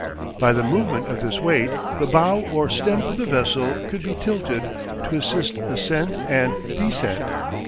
By the movement of this weight the bow or stem of the vessel could be tilted to assist ascent and descent.